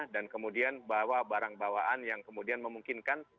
dan kemudian bawa barang bawaan yang kemudian memungkinkan